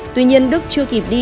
tuy nhiên đức chưa kịp đi